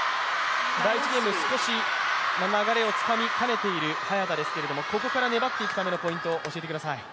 第１ゲーム、少し流れをつかみかねている早田ですけれどもここから粘っていくためのポイントを教えてください。